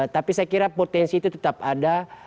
tapi saya kira potensi itu tetap ada